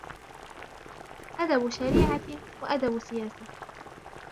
أَدَبُ شَرِيعَةٍ وَأَدَبُ سِيَاسَةٍ